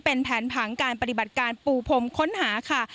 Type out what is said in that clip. เป็นแผนผังการปฏิบัติการปูพรมค้นหาค่ะ